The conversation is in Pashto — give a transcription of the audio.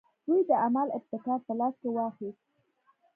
دوی د عمل ابتکار په لاس کې واخیست.